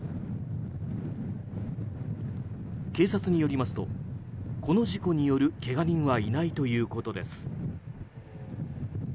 警察によりますとこの事故によるけが人はいないということです。